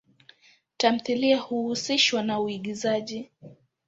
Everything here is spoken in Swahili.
Tamthilia huhusishwa na uigizaji.